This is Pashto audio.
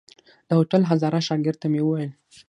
د هوټل هزاره شاګرد ته مې وويل.